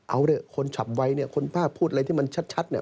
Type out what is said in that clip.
เอาเนี่ยคนฉับไวเนี่ยคนภาคพูดอะไรที่มันชัดเนี่ย